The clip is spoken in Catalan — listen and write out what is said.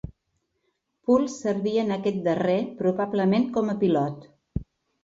Poole servia en aquest darrer, probablement com a pilot.